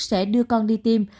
sẽ đưa con đi tiêm